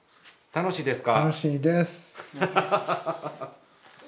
楽しいです。